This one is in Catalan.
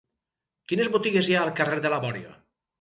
Quines botigues hi ha al carrer de la Bòria?